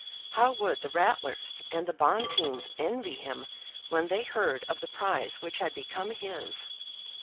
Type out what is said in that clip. How would the Ratlers and the Bonteens envy him when they heard of the prize which had become his!